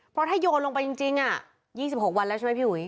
เพราะถ้าโยนลงไปจริง๒๖วันแล้วใช่ไหมพี่อุ๋ย